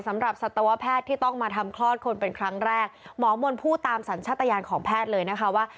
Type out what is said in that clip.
สำหรับสัตวแพทย์ที่ต้องมาทำคลอดคนเป็นครั้งแรกหมอมนต์พูดตามสัญชาติยานของแพทย์เลยนะคะว่า